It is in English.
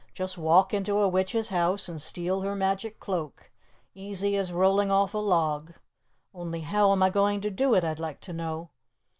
"Just walk into a witch's house and steal her magic cloak. Easy as rolling off a log. Only how am I going to do it, I'd like to know."